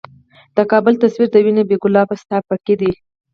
د کـــــــــابل تصویر د وینو ،بې ګلابه ستا پیکی دی